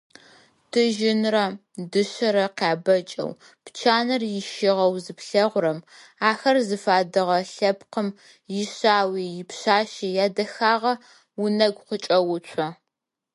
Тыжьынрэ, дышъэрэ къябэкӏэу, пчанэр ищыгъэу зыплъэгъурэм ахэр зыфадыгъэ лъэпкъым ишъауи ипшъашъи ядэхагъэ унэгу къыкӏэуцо.